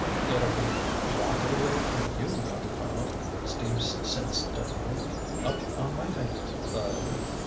"It'll be 'rocket away' for you, young fellow!" Steve said sternly. "Up on my finger, Bud!"